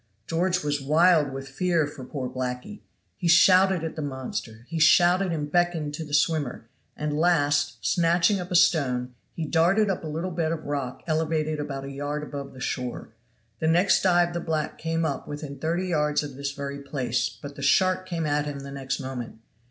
George was wild with fear for poor blackee. He shouted at the monster, he shouted and beckoned to the swimmer; and last, snatching up a stone, he darted up a little bed of rock elevated about a yard above the shore. The next dive the black came up within thirty yards of this very place, but the shark came at him the next moment.